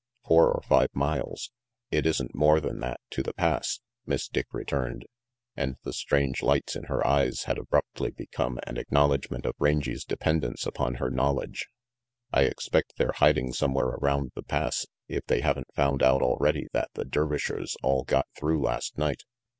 "Four or five miles. It isn't more than that to the Pass," Miss Dick returned, and the strange lights in her eyes had abruptly become an acknowl RANGY PETE 349 edgment of Rangy's dependence upon her knowl edge. "I expect they're hiding somewhere around the Pass, if they haven't found out already that the Dervishers all got through last night.